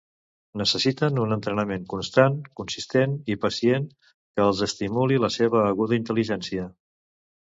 Necessiten un entrenament constant, consistent i pacient que els estimuli la seva aguda intel·ligència.